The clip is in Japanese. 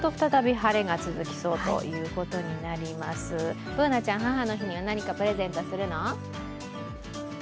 Ｂｏｏｎａちゃん母の日には何かプレゼントするの？